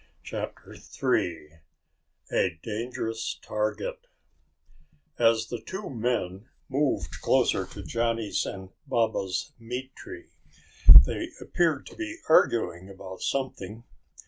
CHAPTER THREE A Dangerous Target As the two men moved closer to Johnny's and Baba's meat tree, they appeared to be arguing about something.